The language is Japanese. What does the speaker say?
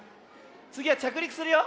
つぎはちゃくりくするよ。